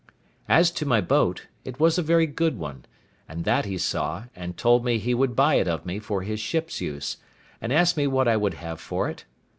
As to my boat, it was a very good one; and that he saw, and told me he would buy it of me for his ship's use; and asked me what I would have for it?